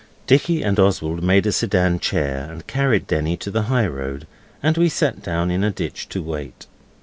Dickie and Oswald made a sedan chair and carried Denny to the high road, and we sat down in a ditch to wait.